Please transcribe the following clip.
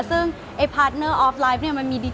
คือบอกเลยว่าเป็นครั้งแรกในชีวิตจิ๊บนะ